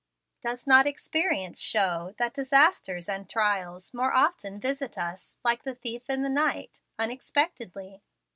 Does not experience show that disasters and trials more often visit us, like the "thief in the night," unexpectedly?